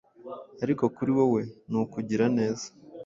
ariko kuri wowe ni ukugira neza,